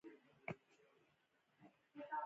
د میرمنو کار د ښځو حقونو پوهاوی رامنځته کوي.